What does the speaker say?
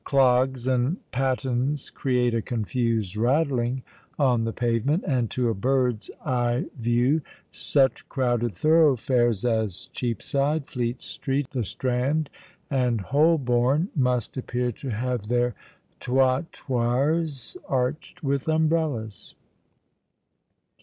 Clogs and pattens create a confused rattling on the pavement; and to a bird's eye view, such crowded thoroughfares as Cheapside, Fleet Street, the Strand, and Holborn, must appear to have their trottoirs arched with umbrellas.